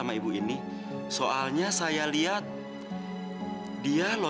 terima kasih pak